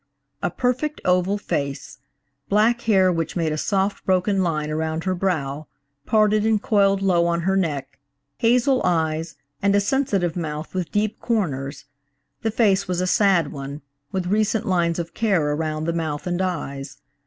A perfect, oval face; black hair which made a soft broken line around her brow, parted and coiled low on her neck, hazel eyes and a sensitive mouth with deep corners. The face was a sad one, with recent lines of care around the mouth and eyes.